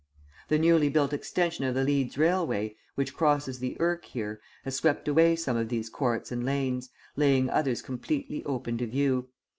The newly built extension of the Leeds railway, which crosses the Irk here, has swept away some of these courts and lanes, laying others completely open to view.